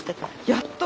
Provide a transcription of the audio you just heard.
やっと！